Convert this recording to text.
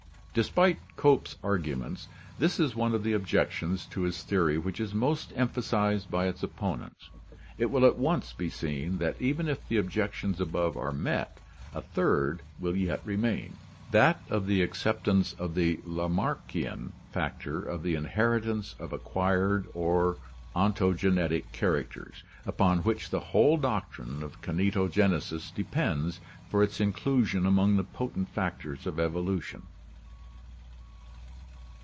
Despite Cope's arguments, this is one of the objections to his theory which is most emphasized by its opponents. It will at once be seen that even if the objections above are met, a third will yet remain, that of the acceptance of the Lamarckian factor of the inheritance of acquired or ontogenetic characters, upon which the whole doctrine of kinetogenesis depends for its inclusion among the potent factors of evolution.